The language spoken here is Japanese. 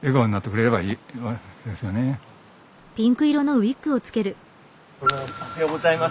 おはようございます。